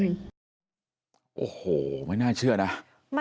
โอ้โหไม่น่าเชื่อนะ